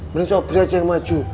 mending sombri aja yang maju